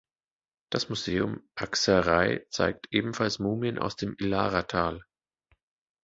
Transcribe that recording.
Das Museum Aksaray zeigt ebenfalls Mumien aus dem Ihlara-Tal.